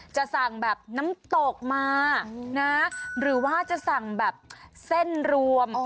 จะสั่งแบบน้ำตกมานะหรือว่าจะสั่งแบบเส้นรวม